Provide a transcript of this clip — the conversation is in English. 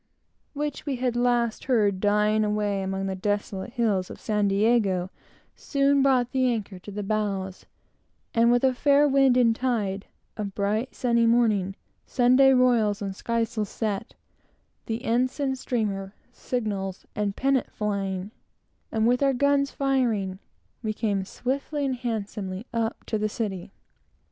which we had last heard dying away among the desolate hills of San Diego, soon brought the anchor to the bows; and, with a fair wind and tide, a bright sunny morning, royals and sky sails set, ensign, streamer, signals, and pennant, flying, and with our guns firing, we came swiftly and handsomely up to the city.